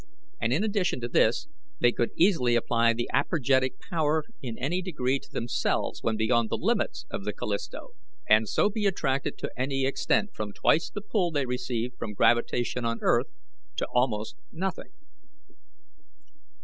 And, in addition to this, they could easily apply the apergetic power in any degree to themselves when beyond the limits of the Callisto, and so be attracted to any extent, from twice the pull they receive from gravitation on earth to almost nothing.